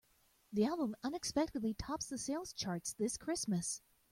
The album unexpectedly tops the sales chart this Christmas.